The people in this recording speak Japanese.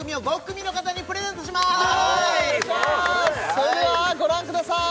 それではご覧ください